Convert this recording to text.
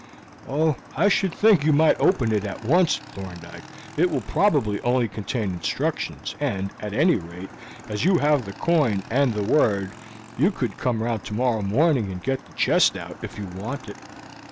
"Oh, I should think you might open it at once, Thorndyke. It will probably only contain instructions, and, at any rate, as you have the coin and the word, you could come round tomorrow morning and get the chest out if you want it."